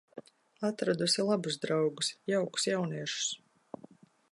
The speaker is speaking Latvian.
Atradusi labus draugus, jaukus jauniešus.